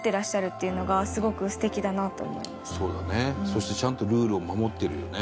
そしてちゃんとルールを守ってるよね。